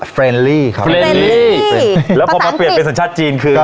ครับแล้วพอมาเปลี่ยนเป็นสัญชาติจีนคือก็อ่า